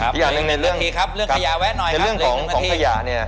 นี่อีกนึงในเรื่องในเรื่องของขยะ